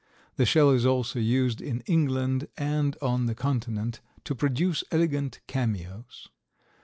The shell is also used in England and on the Continent to produce elegant cameos.